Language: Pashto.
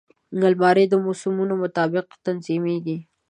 الماري د موسمونو مطابق تنظیمېږي